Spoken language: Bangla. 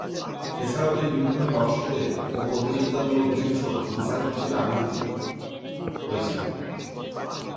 এছাড়া তিনি বিভিন্ন টক শোতে ও প্রতিযোগিতামূলক গেম শোর বিচারক হিসেবে আবির্ভূত হয়েছেন।